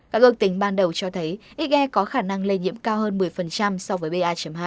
các ước tính ban đầu cho thấy ige có khả năng lây nhiễm cao hơn một mươi so với ba hai